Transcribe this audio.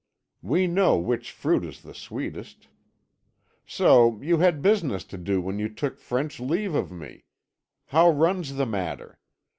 We know which fruit is the sweetest. So you had business to do when you took French leave of me! How runs the matter?